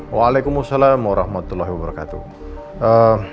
waalaikumsalam warahmatullahi wabarakatuh